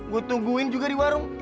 gue tungguin juga di warung